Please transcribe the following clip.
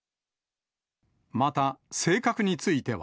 また、性格については。